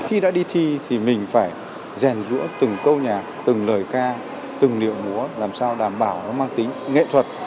khi đã đi thi thì mình phải rèn rũa từng câu nhạc từng lời ca từng điệu múa làm sao đảm bảo nó mang tính nghệ thuật